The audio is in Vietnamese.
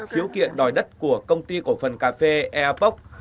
khiếu kiện đòi đất của công ty của phần cà phê ea poc